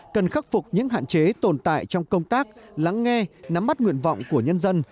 cần khắc phục những hạn chế tồn tại trong công tác lắng nghe nắm bắt nguyện vọng của nhân dân